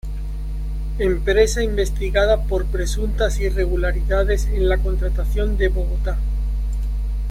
Empresa investigada por presuntas irregularidades en la contratación de Bogotá.